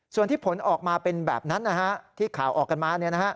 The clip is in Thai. ส่วนที่ผลออกมาเป็นแบบนั้นที่ข่าวออกกันมา